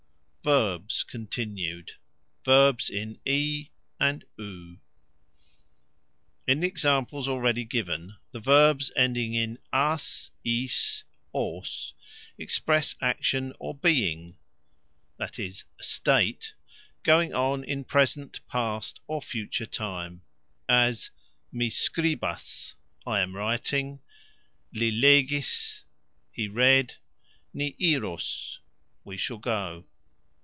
VERBS (continued), i, u. In the examples already given the verbs ending in " as", " is", " os" express "action" or "being" ("state") going on in present, past, or future time, as "Mi skribas", I am writing; "Li legis", He read; "Ni iros", We shall go.